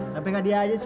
sampai gak dia aja sih